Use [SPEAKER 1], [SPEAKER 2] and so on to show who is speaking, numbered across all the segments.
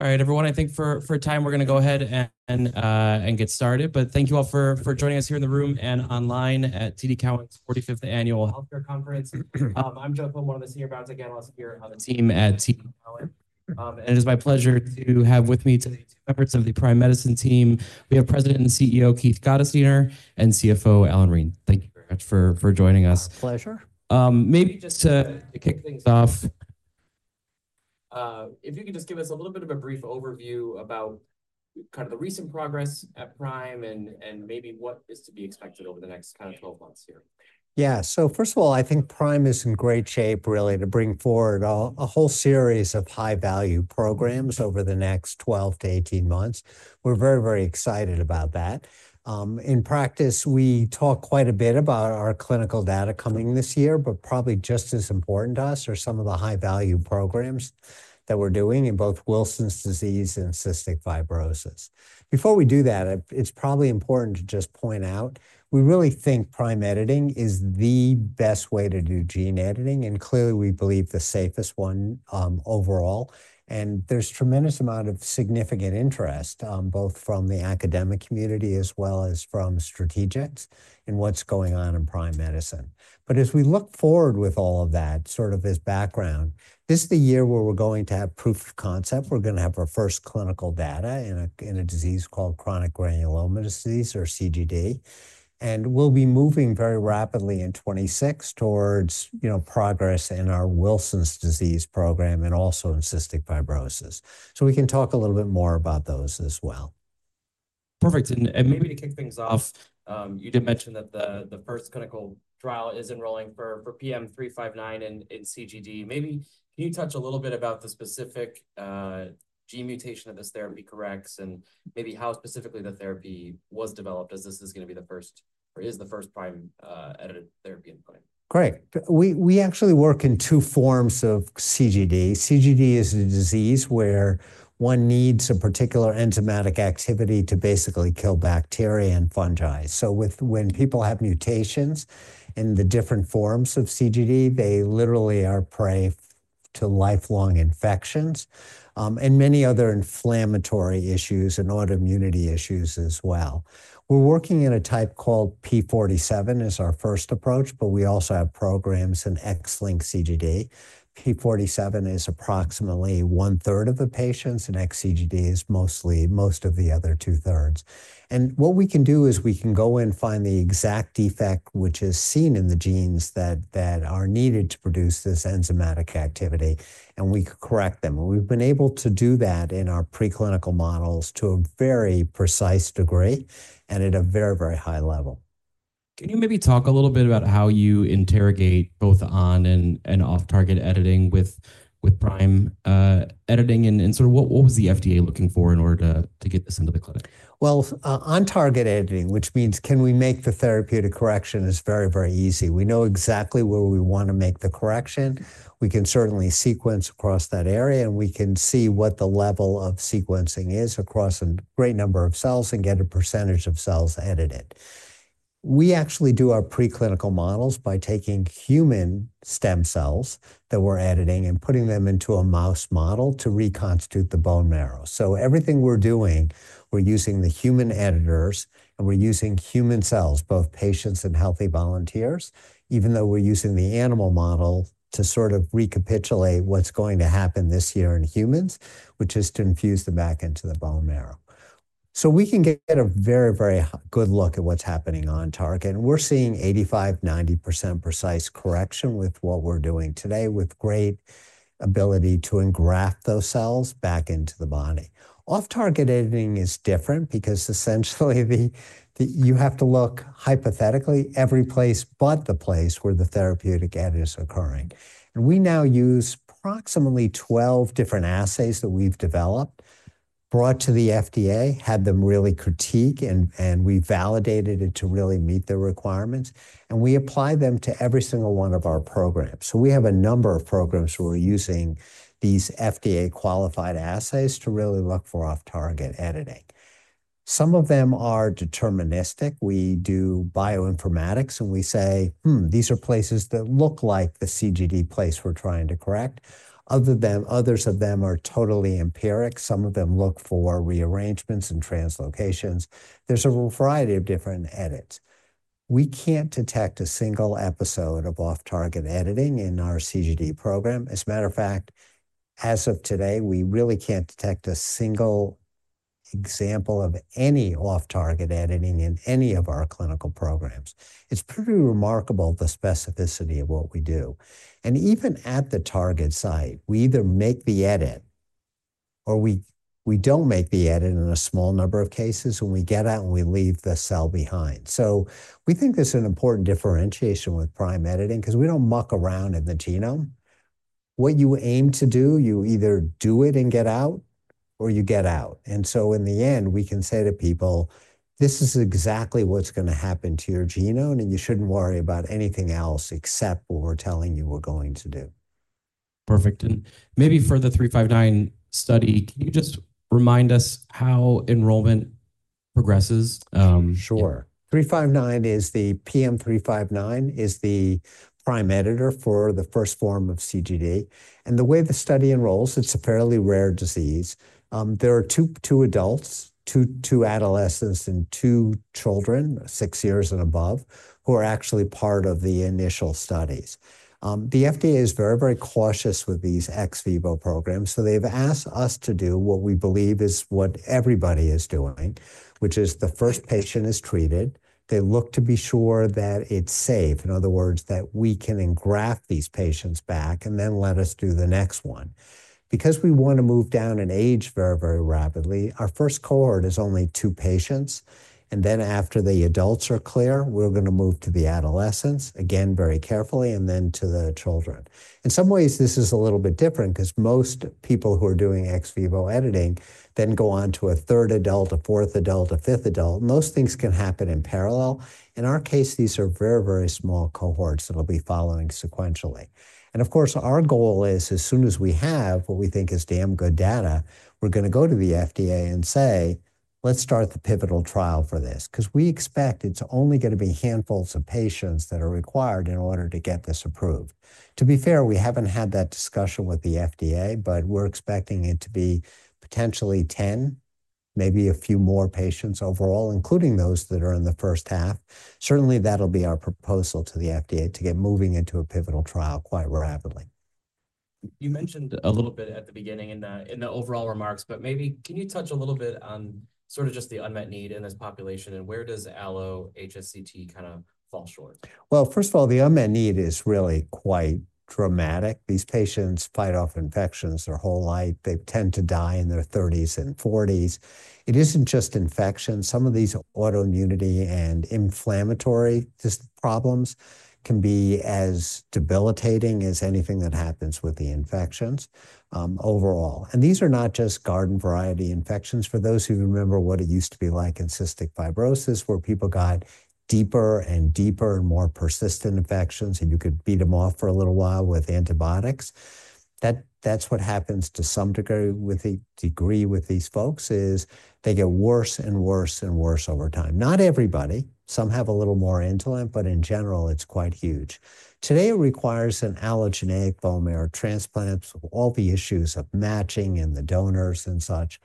[SPEAKER 1] All right, everyone. I think for time we're going to go ahead and get started. Thank you all for joining us here in the room and online at TD Cowen's 45th Annual Healthcare Conference. I'm Jeff Little, one of the senior biotech analysts here on the team at TD Cowen. It is my pleasure to have with me today two members of the Prime Medicine team. We have President and CEO Keith Gottesdiener and CFO Allan Reine. Thank you very much for joining us.
[SPEAKER 2] My pleasure. Maybe just to kick things off, if you could just give us a little bit of a brief overview about kind of the recent progress at Prime and maybe what is to be expected over the next kind of 12 months here. Yeah. First of all, I think Prime is in great shape, really, to bring forward a whole series of high-value programs over the next 12 to 18 months. We're very, very excited about that. In practice, we talk quite a bit about our clinical data coming this year, but probably just as important to us are some of the high-value programs that we're doing in both Wilson's disease and cystic fibrosis. Before we do that, it's probably important to just point out we really think prime editing is the best way to do gene editing. Clearly, we believe the safest one overall. There's a tremendous amount of significant interest, both from the academic community as well as from strategics in what's going on in Prime Medicine. As we look forward with all of that sort of as background, this is the year where we're going to have proof of concept. We're going to have our first clinical data in a disease called chronic granulomatous disease, or CGD. We'll be moving very rapidly in 2026 towards progress in our Wilson's disease program and also in cystic fibrosis. We can talk a little bit more about those as well. Perfect. Maybe to kick things off, you did mention that the first clinical trial is enrolling for PM359 in CGD. Maybe can you touch a little bit about the specific gene mutation that this therapy corrects and maybe how specifically the therapy was developed as this is going to be the first or is the first prime-edited therapy in play? Correct. We actually work in two forms of CGD. CGD is a disease where one needs a particular enzymatic activity to basically kill bacteria and fungi. When people have mutations in the different forms of CGD, they literally are prey to lifelong infections and many other inflammatory issues and autoimmunity issues as well. We're working in a type called P47 as our first approach, but we also have programs in X-linked CGD. P47 is approximately one-third of the patients, and X-CGD is mostly most of the other two-thirds. What we can do is we can go and find the exact defect which is seen in the genes that are needed to produce this enzymatic activity, and we can correct them. We've been able to do that in our preclinical models to a very precise degree and at a very, very high level. Can you maybe talk a little bit about how you interrogate both on and off-target editing with prime editing? And sort of what was the FDA looking for in order to get this into the clinic? On-target editing, which means can we make the therapeutic correction, is very, very easy. We know exactly where we want to make the correction. We can certainly sequence across that area, and we can see what the level of sequencing is across a great number of cells and get a percentage of cells edited. We actually do our preclinical models by taking human stem cells that we're editing and putting them into a mouse model to reconstitute the bone marrow. Everything we're doing, we're using the human editors, and we're using human cells, both patients and healthy volunteers, even though we're using the animal model to sort of recapitulate what's going to happen this year in humans, which is to infuse them back into the bone marrow. We can get a very, very good look at what's happening on-target. We're seeing 85%-90% precise correction with what we're doing today with great ability to engraft those cells back into the body. Off-target editing is different because essentially you have to look hypothetically every place but the place where the therapeutic edit is occurring. We now use approximately 12 different assays that we've developed, brought to the FDA, had them really critique, and we validated it to really meet the requirements. We apply them to every single one of our programs. We have a number of programs where we're using these FDA-qualified assays to really look for off-target editing. Some of them are deterministic. We do bioinformatics, and we say, these are places that look like the CGD place we're trying to correct. Others of them are totally empiric. Some of them look for rearrangements and translocations. There's a variety of different edits. We can't detect a single episode of off-target editing in our CGD program. As a matter of fact, as of today, we really can't detect a single example of any off-target editing in any of our clinical programs. It's pretty remarkable, the specificity of what we do. Even at the target site, we either make the edit or we don't make the edit in a small number of cases, and we get out and we leave the cell behind. We think there's an important differentiation with prime editing because we don't muck around in the genome. What you aim to do, you either do it and get out or you get out. In the end, we can say to people, this is exactly what's going to happen to your genome, and you shouldn't worry about anything else except what we're telling you we're going to do. Perfect. For the 359 study, can you just remind us how enrollment progresses? Sure. 359 is the PM359 is the prime editor for the first form of CGD. The way the study enrolls, it's a fairly rare disease. There are two adults, two adolescents, and two children, six years and above, who are actually part of the initial studies. The FDA is very, very cautious with these ex vivo programs. They have asked us to do what we believe is what everybody is doing, which is the first patient is treated. They look to be sure that it's safe. In other words, that we can engraft these patients back and then let us do the next one. Because we want to move down in age very, very rapidly, our first cohort is only two patients. After the adults are clear, we're going to move to the adolescents, again, very carefully, and then to the children. In some ways, this is a little bit different because most people who are doing ex vivo editing then go on to a third adult, a fourth adult, a fifth adult. Most things can happen in parallel. In our case, these are very, very small cohorts that will be following sequentially. Of course, our goal is as soon as we have what we think is damn good data, we're going to go to the FDA and say, let's start the pivotal trial for this because we expect it's only going to be handfuls of patients that are required in order to get this approved. To be fair, we haven't had that discussion with the FDA, but we're expecting it to be potentially 10, maybe a few more patients overall, including those that are in the first half. Certainly, that'll be our proposal to the FDA to get moving into a pivotal trial quite rapidly. You mentioned a little bit at the beginning in the overall remarks, but maybe can you touch a little bit on sort of just the unmet need in this population and where does allogeneic HSCT kind of fall short? First of all, the unmet need is really quite dramatic. These patients fight off infections their whole life. They tend to die in their 30s and 40s. It isn't just infection. Some of these autoimmunity and inflammatory problems can be as debilitating as anything that happens with the infections overall. These are not just garden-variety infections. For those who remember what it used to be like in cystic fibrosis, where people got deeper and deeper and more persistent infections, and you could beat them off for a little while with antibiotics. That's what happens to some degree with these folks is they get worse and worse and worse over time. Not everybody. Some have a little more insulin, but in general, it's quite huge. Today, it requires an allogeneic bone marrow transplant with all the issues of matching and the donors and such.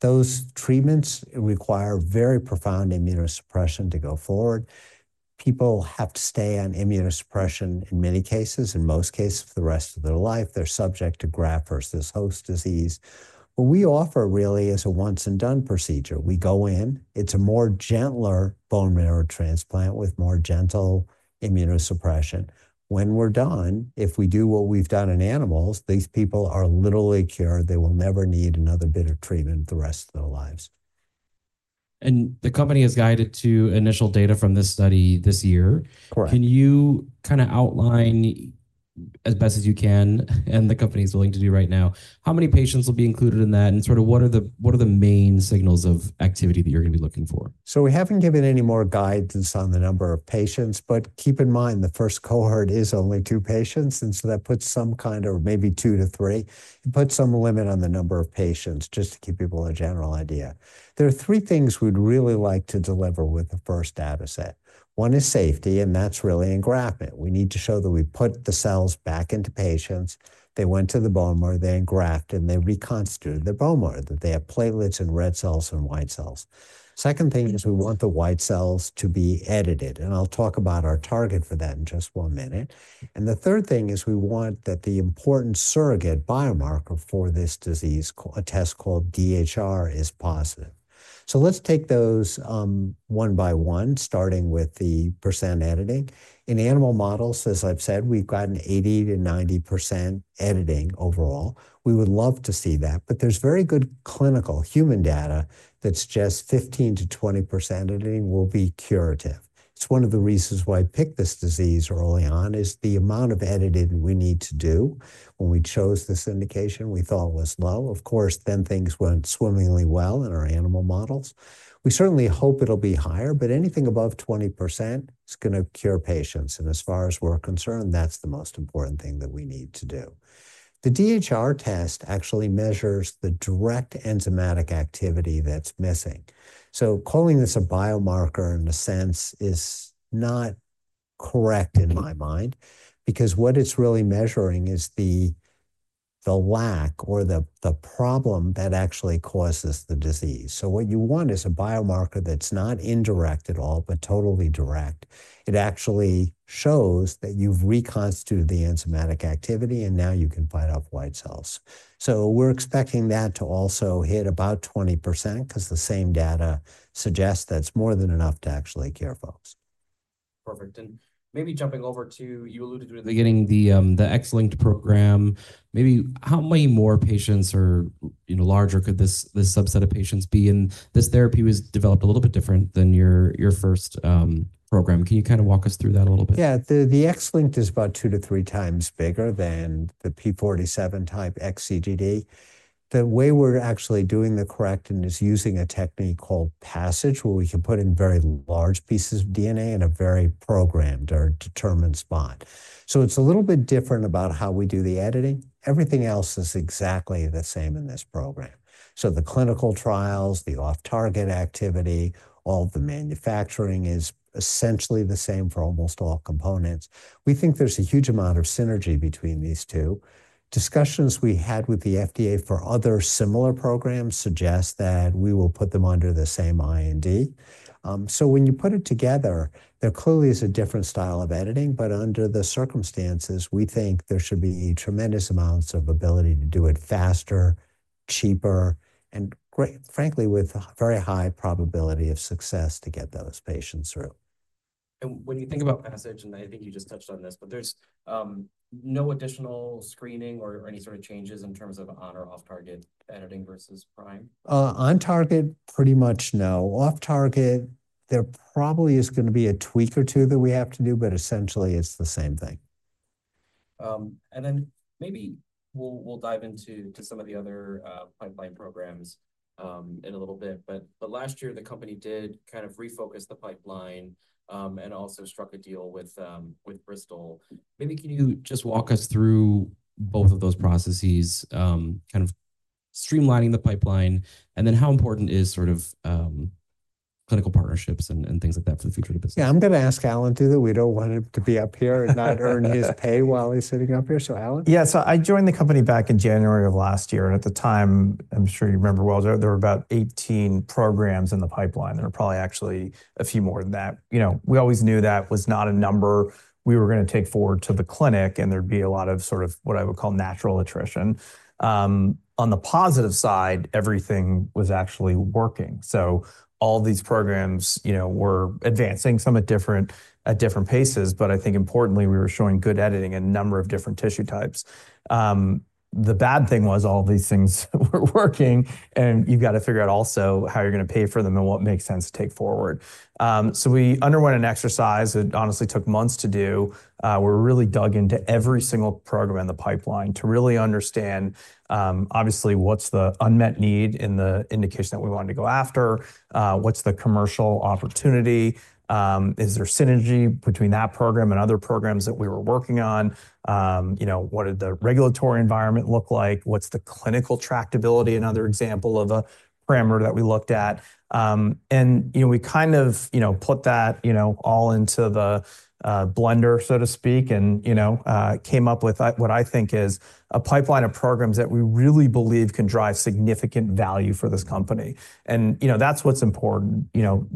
[SPEAKER 2] Those treatments require very profound immunosuppression to go forward. People have to stay on immunosuppression in many cases, in most cases, for the rest of their life. They're subject to graft versus host disease. What we offer really is a once-and-done procedure. We go in. It's a more gentle bone marrow transplant with more gentle immunosuppression. When we're done, if we do what we've done in animals, these people are literally cured. They will never need another bit of treatment the rest of their lives. The company has guided to initial data from this study this year. Correct. Can you kind of outline as best as you can and the company is willing to do right now, how many patients will be included in that? What are the main signals of activity that you're going to be looking for? We haven't given any more guidance on the number of patients, but keep in mind the first cohort is only two patients. That puts some kind of maybe two to three. It puts some limit on the number of patients just to give people a general idea. There are three things we'd really like to deliver with the first data set. One is safety, and that's really engraftment. We need to show that we put the cells back into patients. They went to the bone marrow. They engrafted, and they reconstituted their bone marrow. They have platelets and red cells and white cells. Second thing is we want the white cells to be edited. I'll talk about our target for that in just one minute. The third thing is we want that the important surrogate biomarker for this disease, a test called DHR, is positive. Let's take those one by one, starting with the % editing. In animal models, as I've said, we've gotten 80%-90% editing overall. We would love to see that, but there's very good clinical human data that suggests 15%-20% editing will be curative. It's one of the reasons why I picked this disease early on is the amount of editing we need to do. When we chose this indication, we thought it was low. Of course, then things went swimmingly well in our animal models. We certainly hope it'll be higher, but anything above 20% is going to cure patients. As far as we're concerned, that's the most important thing that we need to do. The DHR test actually measures the direct enzymatic activity that's missing. Calling this a biomarker in a sense is not correct in my mind because what it's really measuring is the lack or the problem that actually causes the disease. What you want is a biomarker that's not indirect at all, but totally direct. It actually shows that you've reconstituted the enzymatic activity, and now you can fight off white cells. We're expecting that to also hit about 20% because the same data suggests that's more than enough to actually cure folks. Perfect. Maybe jumping over to, you alluded to in the beginning, the X-linked program, maybe how many more patients or larger could this subset of patients be? This therapy was developed a little bit different than your first program. Can you kind of walk us through that a little bit? Yeah. The X-linked is about two to three times bigger than the p47 type X-CGD. The way we're actually doing the correcting is using a technique called passage, where we can put in very large pieces of DNA in a very programmed or determined spot. It is a little bit different about how we do the editing. Everything else is exactly the same in this program. The clinical trials, the off-target activity, all the manufacturing is essentially the same for almost all components. We think there's a huge amount of synergy between these two. Discussions we had with the FDA for other similar programs suggest that we will put them under the same IND. When you put it together, there clearly is a different style of editing, but under the circumstances, we think there should be tremendous amounts of ability to do it faster, cheaper, and frankly, with very high probability of success to get those patients through. When you think about passage, and I think you just touched on this, but there's no additional screening or any sort of changes in terms of on or off-target editing versus prime? On-target, pretty much no. Off-target, there probably is going to be a tweak or two that we have to do, but essentially it's the same thing. Maybe we'll dive into some of the other pipeline programs in a little bit. Last year, the company did kind of refocus the pipeline and also struck a deal with Bristol. Maybe can you just walk us through both of those processes, kind of streamlining the pipeline, and then how important is sort of clinical partnerships and things like that for the future of the business? Yeah. I'm going to ask Allan Reine. We don't want him to be up here and not earn his pay while he's sitting up here. So Allan?
[SPEAKER 3] Yeah. I joined the company back in January of last year. At the time, I'm sure you remember well, there were about 18 programs in the pipeline. There were probably actually a few more than that. We always knew that was not a number we were going to take forward to the clinic, and there would be a lot of sort of what I would call natural attrition. On the positive side, everything was actually working. All these programs were advancing, some at different paces, but I think importantly, we were showing good editing in a number of different tissue types. The bad thing was all these things were working, and you have to figure out also how you are going to pay for them and what makes sense to take forward. We underwent an exercise that honestly took months to do. We were really dug into every single program in the pipeline to really understand, obviously, what's the unmet need in the indication that we wanted to go after? What's the commercial opportunity? Is there synergy between that program and other programs that we were working on? What did the regulatory environment look like? What's the clinical tractability? Another example of a parameter that we looked at. We kind of put that all into the blender, so to speak, and came up with what I think is a pipeline of programs that we really believe can drive significant value for this company. That's what's important.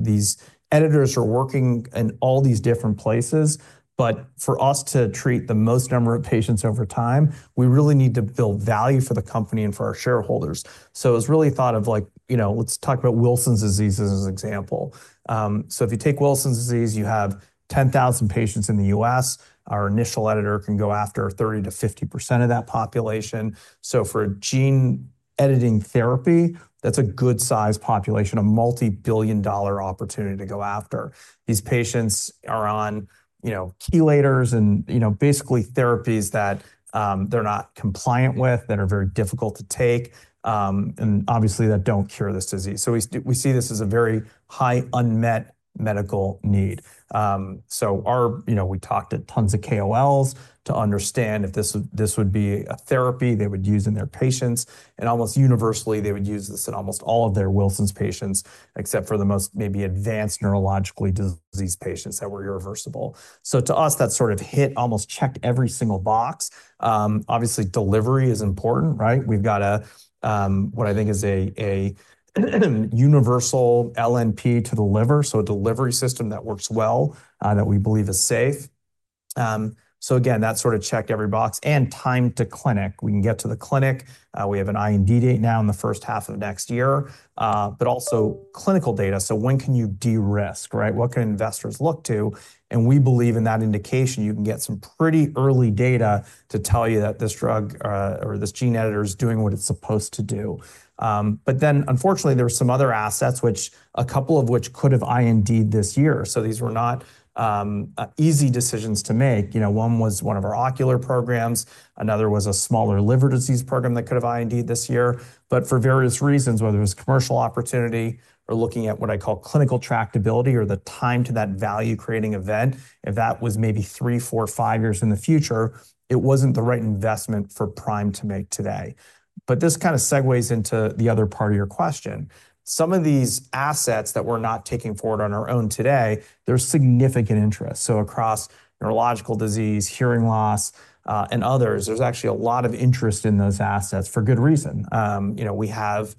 [SPEAKER 3] These editors are working in all these different places, but for us to treat the most number of patients over time, we really need to build value for the company and for our shareholders. It was really thought of like, let's talk about Wilson's disease as an example. If you take Wilson's disease, you have 10,000 patients in the U.S. Our initial editor can go after 30%-50% of that population. For a gene editing therapy, that's a good-sized population, a multi-billion dollar opportunity to go after. These patients are on chelators and basically therapies that they're not compliant with, that are very difficult to take, and obviously that don't cure this disease. We see this as a very high unmet medical need. We talked at tons of KOLs to understand if this would be a therapy they would use in their patients. Almost universally, they would use this in almost all of their Wilson's patients, except for the most maybe advanced neurologically diseased patients that were irreversible. To us, that sort of hit, almost checked every single box. Obviously, delivery is important, right? We've got what I think is a universal LNP to deliver. A delivery system that works well, that we believe is safe. Again, that sort of checked every box and time to clinic. We can get to the clinic. We have an IND date now in the first half of next year, but also clinical data. When can you de-risk, right? What can investors look to? We believe in that indication, you can get some pretty early data to tell you that this drug or this gene editor is doing what it's supposed to do. Unfortunately, there are some other assets, a couple of which could have IND'd this year. These were not easy decisions to make. One was one of our ocular programs. Another was a smaller liver disease program that could have IND'd this year. For various reasons, whether it was commercial opportunity or looking at what I call clinical tractability or the time to that value-creating event, if that was maybe three, four, five years in the future, it was not the right investment for Prime to make today. This kind of segues into the other part of your question. Some of these assets that we are not taking forward on our own today, there is significant interest. Across neurological disease, hearing loss, and others, there is actually a lot of interest in those assets for good reason. We have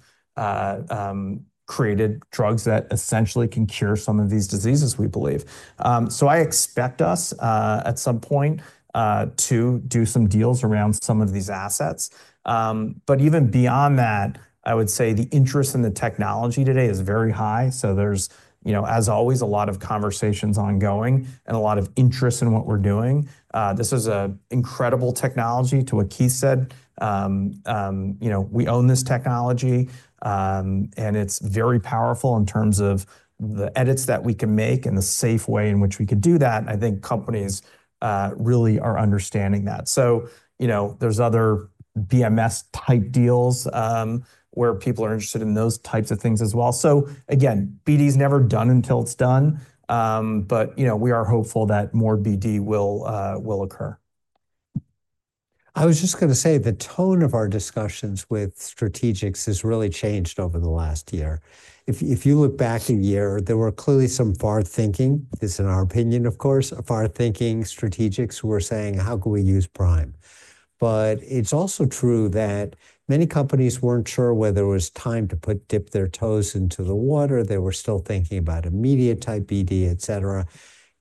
[SPEAKER 3] created drugs that essentially can cure some of these diseases, we believe. I expect us at some point to do some deals around some of these assets. Even beyond that, I would say the interest in the technology today is very high. There is, as always, a lot of conversations ongoing and a lot of interest in what we're doing. This is an incredible technology, to what Keith said. We own this technology, and it's very powerful in terms of the edits that we can make and the safe way in which we could do that. I think companies really are understanding that. There are other BMS-type deals where people are interested in those types of things as well. BD's never done until it's done, but we are hopeful that more BD will occur.
[SPEAKER 2] I was just going to say the tone of our discussions with Strategix has really changed over the last year. If you look back a year, there were clearly some far-thinking, this is in our opinion, of course, far-thinking Strategix were saying, "How can we use prime?" It is also true that many companies were not sure whether it was time to dip their toes into the water. They were still thinking about immediate-type BD, et cetera.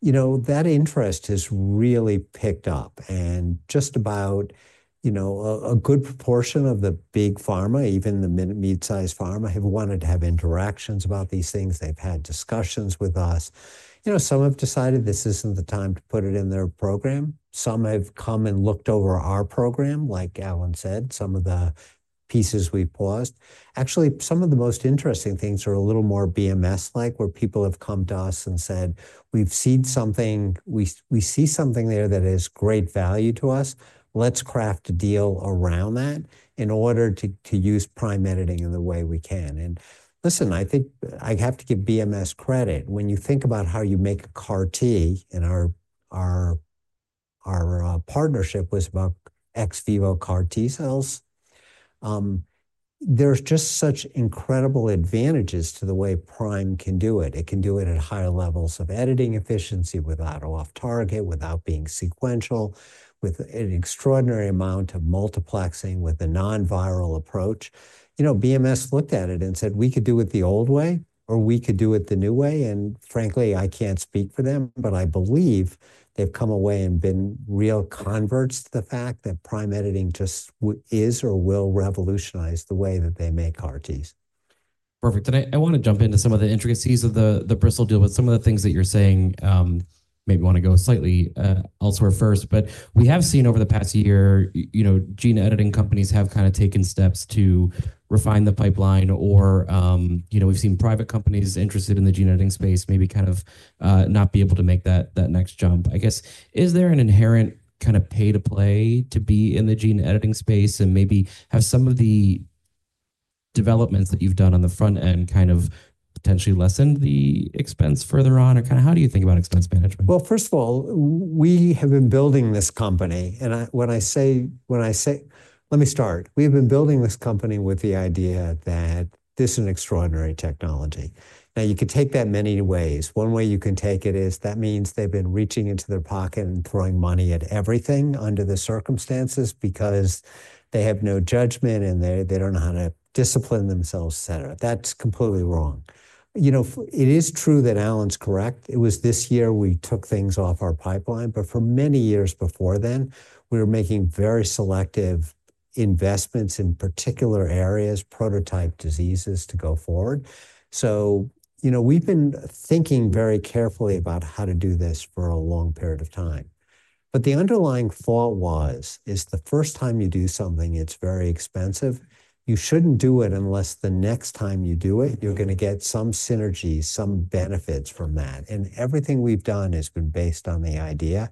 [SPEAKER 2] That interest has really picked up. Just about a good proportion of the big pharma, even the mid-sized pharma, have wanted to have interactions about these things. They have had discussions with us. Some have decided this is not the time to put it in their program. Some have come and looked over our program, like Allan said, some of the pieces we paused. Actually, some of the most interesting things are a little more BMS-like, where people have come to us and said, "We've seen something. We see something there that has great value to us. Let's craft a deal around that in order to use prime editing in the way we can." Listen, I think I have to give BMS credit. When you think about how you make a CAR-T, and our partnership was about ex-vivo CAR-T cells, there's just such incredible advantages to the way prime can do it. It can do it at higher levels of editing efficiency without off-target, without being sequential, with an extraordinary amount of multiplexing, with a non-viral approach. Squibb looked at it and said, "We could do it the old way, or we could do it the new way." Frankly, I can't speak for them, but I believe they've come away and been real converts to the fact that prime editing just is or will revolutionize the way that they make CAR-Ts. Perfect. I want to jump into some of the intricacies of the Bristol deal, but some of the things that you're saying maybe want to go slightly elsewhere first. We have seen over the past year, gene editing companies have kind of taken steps to refine the pipeline, or we've seen private companies interested in the gene editing space maybe kind of not be able to make that next jump. I guess, is there an inherent kind of pay-to-play to be in the gene editing space and maybe have some of the developments that you've done on the front end kind of potentially lessen the expense further on? How do you think about expense management? First of all, we have been building this company. When I say, let me start, we have been building this company with the idea that this is an extraordinary technology. Now, you could take that many ways. One way you can take it is that means they've been reaching into their pocket and throwing money at everything under the circumstances because they have no judgment and they don't know how to discipline themselves, et cetera. That's completely wrong. It is true that Allan's correct. It was this year we took things off our pipeline, but for many years before then, we were making very selective investments in particular areas, prototype diseases to go forward. We have been thinking very carefully about how to do this for a long period of time. The underlying thought was, is the first time you do something, it's very expensive. You shouldn't do it unless the next time you do it, you're going to get some synergy, some benefits from that. Everything we've done has been based on the idea,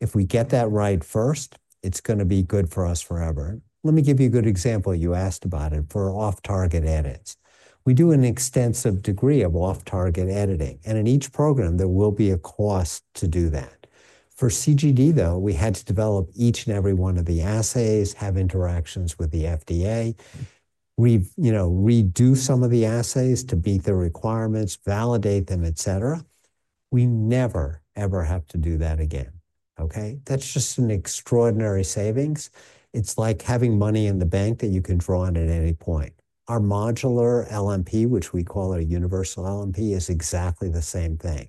[SPEAKER 2] if we get that right first, it's going to be good for us forever. Let me give you a good example. You asked about it for off-target edits. We do an extensive degree of off-target editing. In each program, there will be a cost to do that. For CGD, though, we had to develop each and every one of the assays, have interactions with the FDA, redo some of the assays to meet the requirements, validate them, et cetera. We never, ever have to do that again. That's just an extraordinary savings. It's like having money in the bank that you can draw on at any point. Our modular LNP, which we call a universal LNP, is exactly the same thing.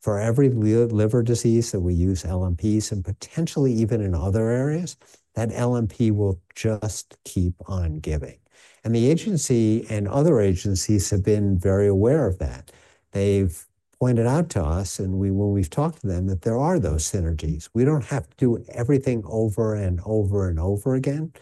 [SPEAKER 2] For every liver disease that we use LNPs and potentially even in other areas, that LNP will just keep on giving. The agency and other agencies have been very aware of that. They have pointed out to us, and when we have talked to them, that there are those synergies. We do not have to do everything over and over and over again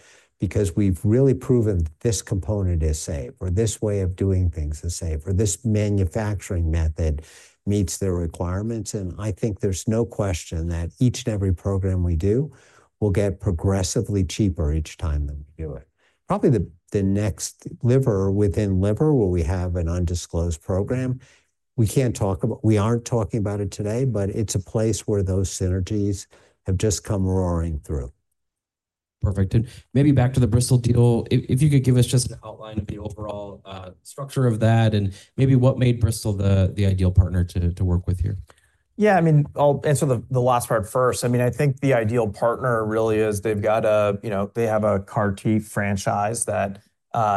[SPEAKER 2] because we have really proven this component is safe, or this way of doing things is safe, or this manufacturing method meets their requirements. I think there is no question that each and every program we do will get progressively cheaper each time that we do it. Probably the next liver within liver where we have an undisclosed program, we can't talk about, we aren't talking about it today, but it's a place where those synergies have just come roaring through. Perfect. Maybe back to the Bristol deal, if you could give us just an outline of the overall structure of that and maybe what made Bristol the ideal partner to work with you.
[SPEAKER 3] Yeah. I mean, I'll answer the last part first. I mean, I think the ideal partner really is they've got a, they have a CAR-T franchise that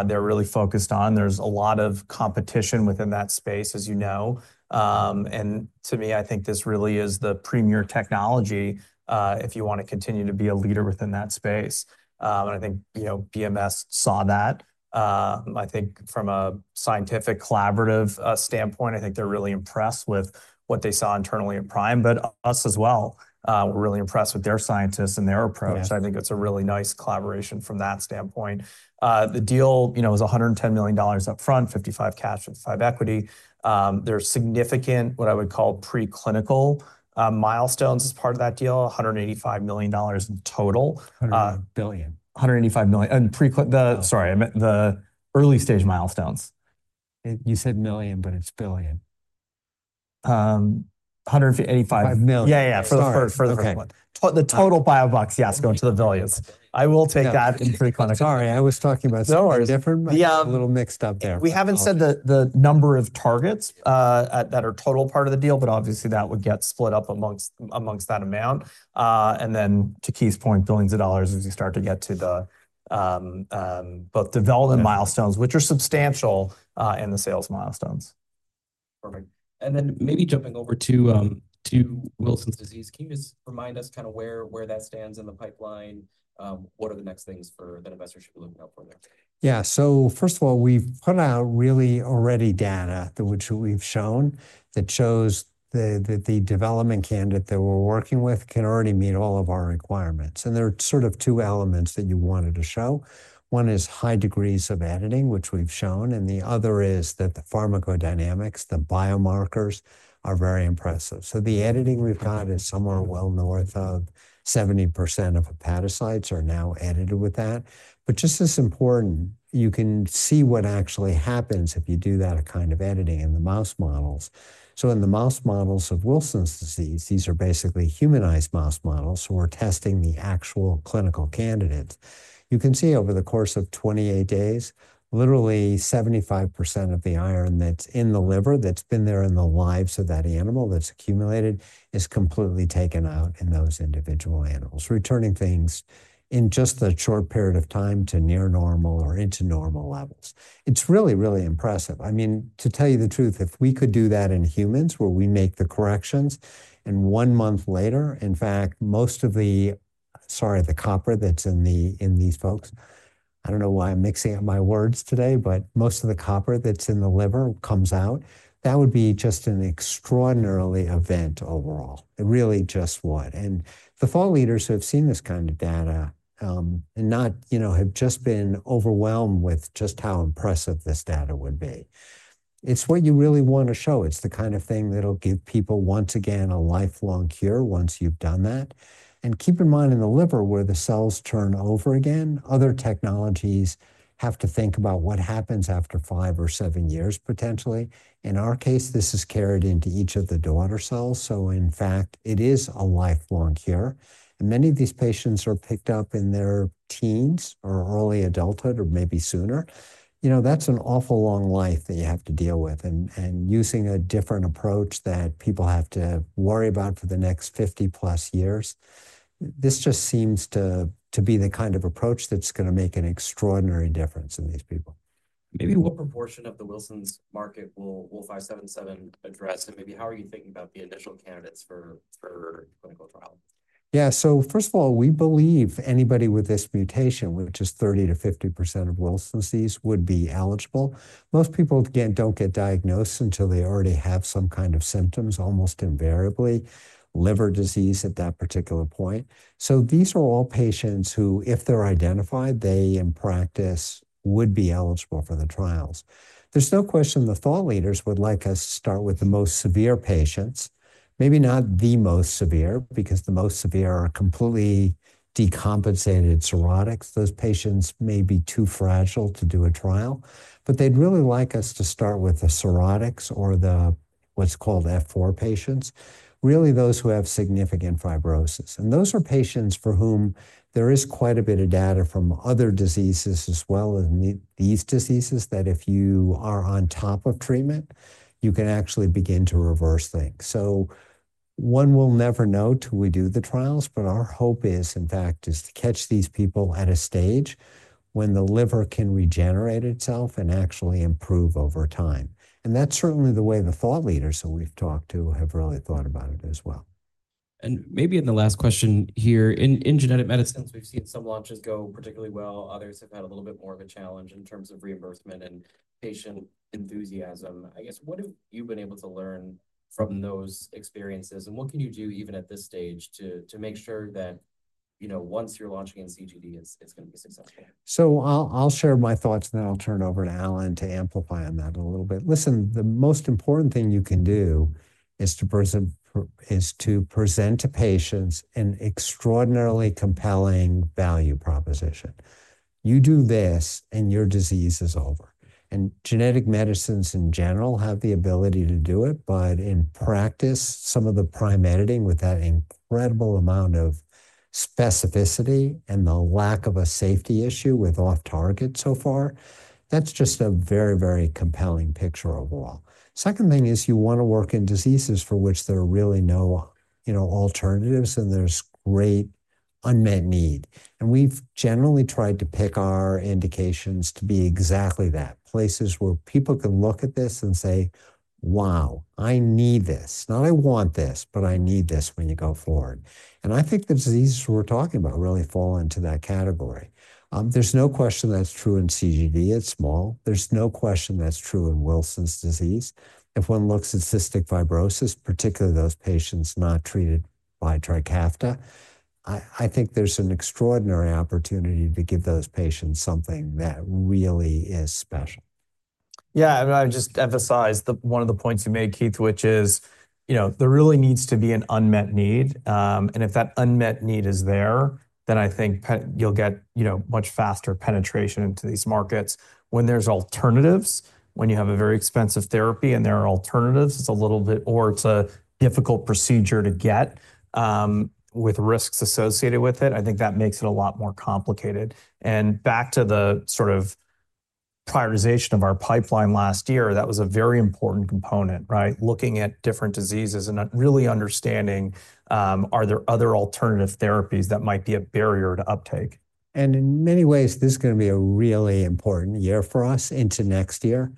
[SPEAKER 3] they're really focused on. There's a lot of competition within that space, as you know. To me, I think this really is the premier technology if you want to continue to be a leader within that space. I think BMS saw that. I think from a scientific collaborative standpoint, I think they're really impressed with what they saw internally at Prime, but us as well. We're really impressed with their scientists and their approach. I think it's a really nice collaboration from that standpoint. The deal was $110 million upfront, $55 million cash, $55 million equity. There's significant, what I would call preclinical milestones as part of that deal, $185 million in total. $185 billion. $185 million. Sorry, the early stage milestones.
[SPEAKER 2] You said million, but it's billion. $185 million.
[SPEAKER 3] Yeah, yeah, for the first one. The total buy a box, yes, going to the billions. I will take that in preclinical.
[SPEAKER 2] Sorry, I was talking about something different.
[SPEAKER 3] No worries.
[SPEAKER 2] A little mixed up there.
[SPEAKER 3] We haven't said the number of targets that are total part of the deal, but obviously that would get split up amongst that amount. To Keith's point, billions of dollars as you start to get to both development milestones, which are substantial, and the sales milestones. Perfect. Maybe jumping over to Wilson's disease, can you just remind us kind of where that stands in the pipeline? What are the next things that investors should be looking out for there?
[SPEAKER 2] Yeah. First of all, we've put out really already data which we've shown that shows that the development candidate that we're working with can already meet all of our requirements. There are sort of two elements that you wanted to show. One is high degrees of editing, which we've shown. The other is that the pharmacodynamics, the biomarkers are very impressive. The editing we've got is somewhere well north of 70% of hepatocytes are now edited with that. Just as important, you can see what actually happens if you do that kind of editing in the mouse models. In the mouse models of Wilson's disease, these are basically humanized mouse models who are testing the actual clinical candidates. You can see over the course of 28 days, literally 75% of the iron that's in the liver that's been there in the lives of that animal that's accumulated is completely taken out in those individual animals, returning things in just a short period of time to near normal or into normal levels. It's really, really impressive. I mean, to tell you the truth, if we could do that in humans where we make the corrections and one month later, in fact, most of the, sorry, the copper that's in these folks, I don't know why I'm mixing up my words today, but most of the copper that's in the liver comes out, that would be just an extraordinary event overall. It really just would. The thought leaders who have seen this kind of data and not have just been overwhelmed with just how impressive this data would be. It's what you really want to show. It's the kind of thing that'll give people once again a lifelong cure once you've done that. Keep in mind in the liver where the cells turn over again, other technologies have to think about what happens after five or seven years potentially. In our case, this is carried into each of the daughter cells. In fact, it is a lifelong cure. Many of these patients are picked up in their teens or early adulthood or maybe sooner. That's an awful long life that you have to deal with. Using a different approach that people have to worry about for the next 50 plus years, this just seems to be the kind of approach that's going to make an extraordinary difference in these people. Maybe what proportion of the Wilson's market will 577 address? Maybe how are you thinking about the initial candidates for clinical trial? Yeah. First of all, we believe anybody with this mutation, which is 30%-50% of Wilson's disease, would be eligible. Most people, again, do not get diagnosed until they already have some kind of symptoms, almost invariably liver disease at that particular point. These are all patients who, if they are identified, in practice would be eligible for the trials. There is no question the thought leaders would like us to start with the most severe patients. Maybe not the most severe because the most severe are completely decompensated cirrhotics. Those patients may be too fragile to do a trial, but they would really like us to start with the cirrhotics or the what is called F4 patients, really those who have significant fibrosis. Those are patients for whom there is quite a bit of data from other diseases as well as these diseases that if you are on top of treatment, you can actually begin to reverse things. One will never know till we do the trials, but our hope is, in fact, to catch these people at a stage when the liver can regenerate itself and actually improve over time. That is certainly the way the thought leaders that we have talked to have really thought about it as well. Maybe in the last question here, in genetic medicine, we've seen some launches go particularly well. Others have had a little bit more of a challenge in terms of reimbursement and patient enthusiasm. I guess, what have you been able to learn from those experiences? What can you do even at this stage to make sure that once you're launching in CGD, it's going to be successful? I'll share my thoughts, and then I'll turn it over to Allan to amplify on that a little bit. Listen, the most important thing you can do is to present to patients an extraordinarily compelling value proposition. You do this and your disease is over. Genetic medicines in general have the ability to do it, but in practice, some of the prime editing with that incredible amount of specificity and the lack of a safety issue with off-target so far, that's just a very, very compelling picture overall. The second thing is you want to work in diseases for which there are really no alternatives and there's great unmet need. We've generally tried to pick our indications to be exactly that, places where people can look at this and say, "Wow, I need this. Not I want this, but I need this when you go forward." I think the diseases we're talking about really fall into that category. There's no question that's true in CGD. It's small. There's no question that's true in Wilson's disease. If one looks at cystic fibrosis, particularly those patients not treated by Trikafta, I think there's an extraordinary opportunity to give those patients something that really is special.
[SPEAKER 3] Yeah. I mean, I would just emphasize one of the points you made, Keith, which is there really needs to be an unmet need. If that unmet need is there, then I think you'll get much faster penetration into these markets. When there's alternatives, when you have a very expensive therapy and there are alternatives, it's a little bit, or it's a difficult procedure to get with risks associated with it, I think that makes it a lot more complicated. Back to the sort of prioritization of our pipeline last year, that was a very important component, right? Looking at different diseases and really understanding, are there other alternative therapies that might be a barrier to uptake?
[SPEAKER 2] In many ways, this is going to be a really important year for us into next year.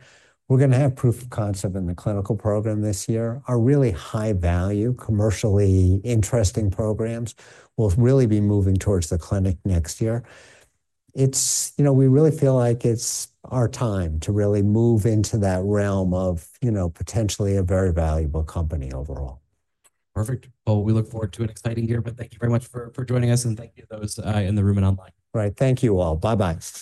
[SPEAKER 2] We're going to have proof of concept in the clinical program this year. Our really high-value, commercially interesting programs will really be moving towards the clinic next year. We really feel like it's our time to really move into that realm of potentially a very valuable company overall. Perfect. We look forward to an exciting year, but thank you very much for joining us and thank you to those in the room and online. All right. Thank you all. Bye-bye.